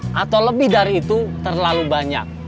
boleh enam atau lebih dari itu terlalu banyak